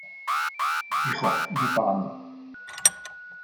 hijo , ve pagando ...